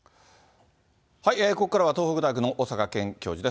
ここからは東北大学の小坂健教授です。